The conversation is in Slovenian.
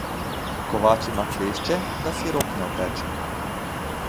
Kovač ima klešče, da si rok ne opeče.